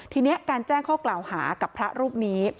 ทีนี้การแจ้งข้อกล่าวหากับพระรูปนี้